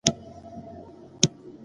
لكه دځمكي او اسمان فرق وي